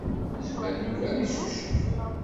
Yezmer Yuba ad icucef.